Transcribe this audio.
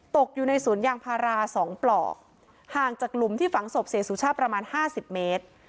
ตกอยู่ในศุลย์ยางพาราสองปลอกห่างจากหลุมที่ฝังศพเศรษฐชาติประมาณห้าสิบเมตร